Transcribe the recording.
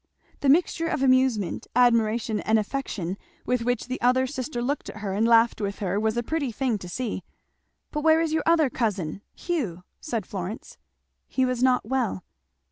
The mixture of amusement, admiration, and affection, with which the other sister looked at her and laughed with her was a pretty thing to see. "But where is your other cousin, Hugh?" said Florence. "He was not well."